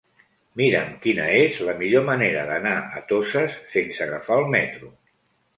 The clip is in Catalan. Mira'm quina és la millor manera d'anar a Toses sense agafar el metro.